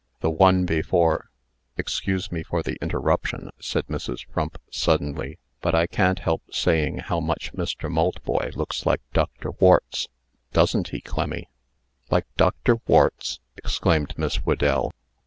The one before " "Excuse me for the interruption," said Mrs. Frump, suddenly, "but I can't help saying how much Mr. Maltboy looks like Dr. Warts. Doesn't he, Clemmy?" "Like Dr. Warts!" exclaimed Miss Whedell.